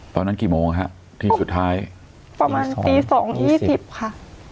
ตอนนั้นกี่โมงครับที่สุดท้ายประมาณตี๒๒๐ค่ะ